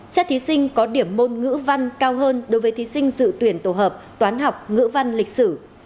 xét thí sinh có điểm môn ngữ văn cao hơn đối với thí sinh dự tuyển tổ hợp toán học ngữ văn lịch sử